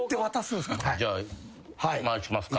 じゃあ回しますか。